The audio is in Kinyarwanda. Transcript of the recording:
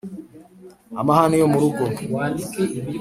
amahane yo mu rugo,